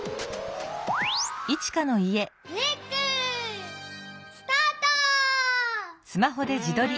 レックスタート！